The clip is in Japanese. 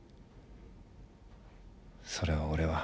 それを俺は。